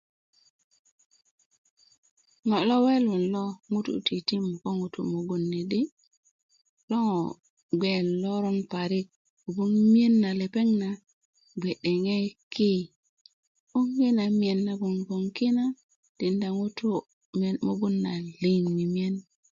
ŋo lo welun lo ŋutu titim ko ŋutu mugun ni di lo ŋo bge loron parik kobgoŋ miyen na lepeŋ bge'deŋ ki 'böŋ yi miyen nagon bgoŋ ki na tikinda ŋutu mugun liŋ mimiyen